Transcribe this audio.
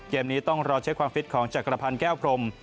เกมนี้ต้องรอเช็คความฟิตของจักรพันธ์แก้วพรม